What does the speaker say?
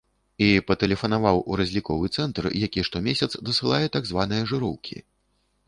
І патэлефанаваў у разліковы цэнтр, які штомесяц дасылае так званыя жыроўкі.